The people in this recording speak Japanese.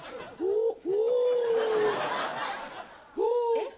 えっ？